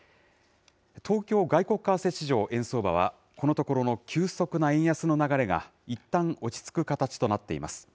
東京外国為替市場、円相場はこのところの急速な円安の流れがいったん落ち着く形となっています。